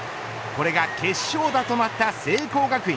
これが決勝打となった聖光学院。